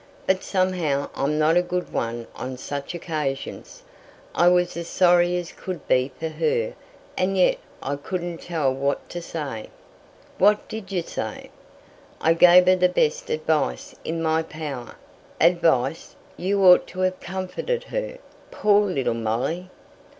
But somehow I'm not a good one on such occasions. I was as sorry as could be for her, and yet I couldn't tell what to say." "What did you say?" "I gave her the best advice in my power." "Advice! you ought to have comforted her. Poor little Molly!"